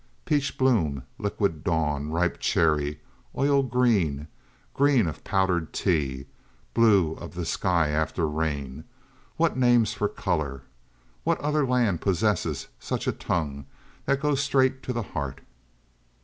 Peach bloom liquid dawn ripe cherry oil green green of powdered tea blue of the sky after rain what names for color! What other land possesses such a tongue that goes straight to the heart!"